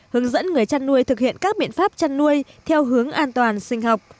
hướng dẫn người chăn nuôi thực hiện các biện pháp chăn nuôi theo hướng an toàn sinh học